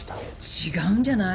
違うんじゃない？